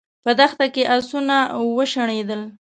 په دښته کې آسونه وشڼېدل.